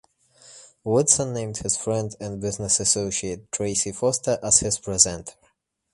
Woodson named his friend and business associate Tracy Foster as his presenter.